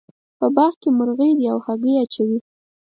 په باغ کې مرغۍ دي او هګۍ اچوې